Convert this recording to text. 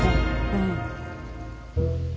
うん。